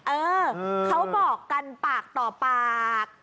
เออเขาบอกกันปากต่อปาก